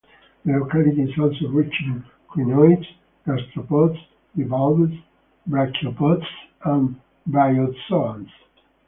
The locality is also rich in crinoids, gastropods, bivalves, brachiopods and bryozoans.